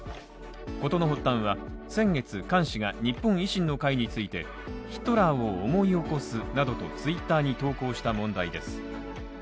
事の発端は先月菅氏が日本維新の会について、「ヒットラーを思い起こす」などとＴｗｉｔｔｅｒに投稿した問題です。